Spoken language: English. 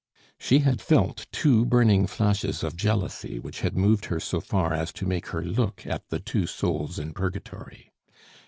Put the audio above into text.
She had felt two burning flashes of jealousy which had moved her so far as to make her look at the two souls in purgatory.